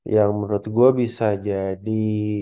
yang menurut gue bisa jadi